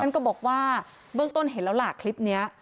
ก็บอกว่าเบื้องต้นเห็นลักษณ์นี้